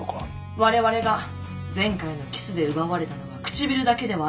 「我々が前回のキスで奪われたのは唇だけではありません。